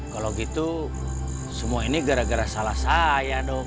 kalau gitu semua ini gara gara salah saya dong